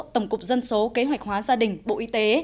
tổng cục dân số kế hoạch hóa gia đình bộ y tế